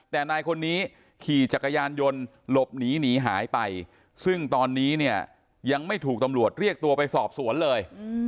แต่นายคนนี้ขี่จักรยานยนต์หลบหนีหนีหายไปซึ่งตอนนี้เนี่ยยังไม่ถูกตำรวจเรียกตัวไปสอบสวนเลย